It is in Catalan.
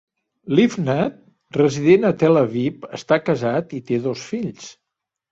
Livnat, resident a Tel Aviv, està casat i té dos fills.